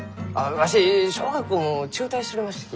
わし小学校も中退しちょりましたき。